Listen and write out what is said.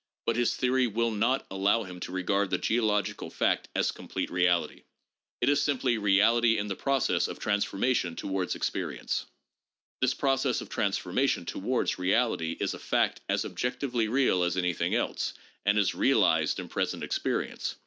But his theory will not allow him to regard the geological fact as complete reality. It is simply reality in the process of transformation towards experience. This process of transformation towards reality is a fact " as objectively real as anything else," and is " realized in present experience."